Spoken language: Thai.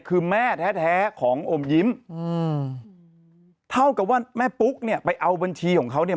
คือแม่แท้แท้ของอมยิ้มอืมเท่ากับว่าแม่ปุ๊กเนี่ยไปเอาบัญชีของเขาเนี่ย